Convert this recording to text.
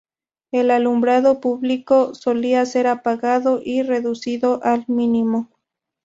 El alumbrado público solía ser apagado y reducido al mínimo.